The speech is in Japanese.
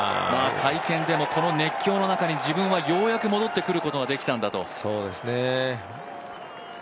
会見でも、この熱狂の中に自分はようやく戻ってくることができたんだと。